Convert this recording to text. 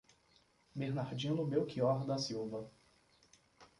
Bernardino Belchior da Silva